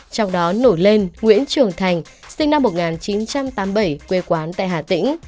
trong đó nổi lên nguyễn trường thành sinh năm một nghìn chín trăm tám mươi bảy quê quán tại hà tĩnh